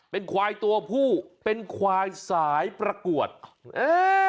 เป็นควายตัวผู้เป็นควายสายประกวดเออ